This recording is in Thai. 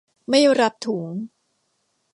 ไม่รับถุง